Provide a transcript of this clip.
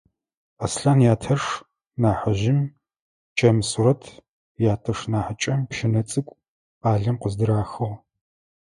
Аслъан ятэш нахьыжъым чэм сурэт, ятэш нахьыкӏэм пщынэ цӏыкӏу къалэм къыздырахыгъ.